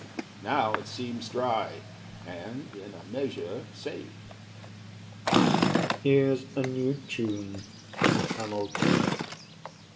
Now it seems dry, And in a measure safe. BURR Here's a new tune From Hamilton.